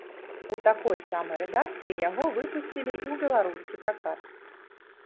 У такой самай рэдакцыі яго выпусцілі і ў беларускі пракат.